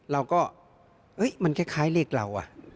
เราก็มันคล้ายเลขเรา